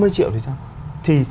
năm mươi triệu thì sao thì